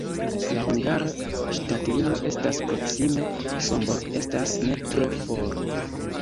La hungara ŝtatlimo estas proksime, Sombor estas ne tro for.